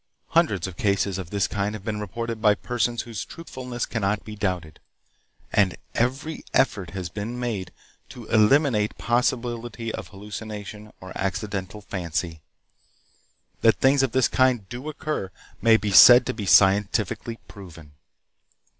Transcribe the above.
Hundreds of cases of this kind have been reported by persons whose truthfulness cannot be doubted, and every effort has been made to eliminate possibility of hallucination or accidental fancy. That things of this kind do occur may be said to be scientifically proven.